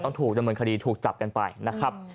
ถูกดำเนินคดีถูกจับกันไปนะครับ